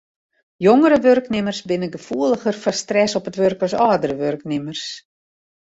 Jongere wurknimmers binne gefoeliger foar stress op it wurk as âldere wurknimmers.